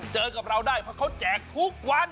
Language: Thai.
เจอกับเราได้เพราะเขาแจกทุกวัน